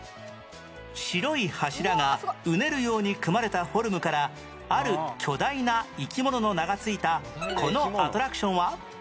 白い柱がうねるように組まれたフォルムからある巨大な生き物の名が付いたこのアトラクションは？